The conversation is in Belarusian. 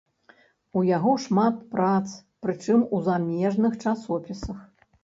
У яго шмат прац, прычым у замежных часопісах.